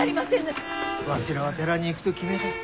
わしらは寺に行くと決めてる。